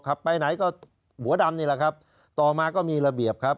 ไปไหนก็หัวดำนี่แหละครับต่อมาก็มีระเบียบครับ